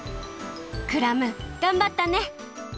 クラムがんばったね！